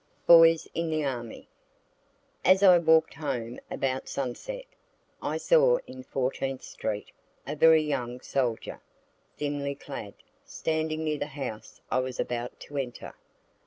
BOYS IN THE ARMY As I walk'd home about sunset, I saw in Fourteenth street a very young soldier, thinly clad, standing near the house I was about to enter.